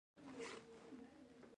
ستا به هم هغه تکليف چري ميلمه شي